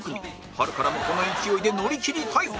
春からもこの勢いで乗りきりたい！